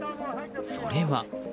それは。